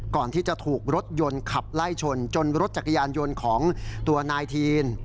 ก่อนที่จะถูกรถยนต์ขับไล่ชนจนรถจักรยานยนต์ของตัวนายทีน